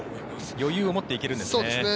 余裕を持って行けるんですね。